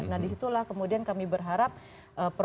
nah disitulah kemudian kami berharap proses penderbatan itu